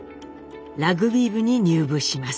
ラグビー部に入部します。